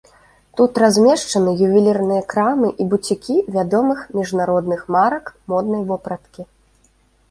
Тут размешчаны ювелірныя крамы і буцікі вядомых міжнародных марак моднай вопраткі.